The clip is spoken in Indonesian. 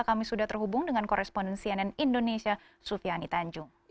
kami sudah terhubung dengan korespondensi ann indonesia sufiani tanjung